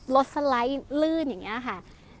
รถสลายลื่นอย่างนี้ค่ะ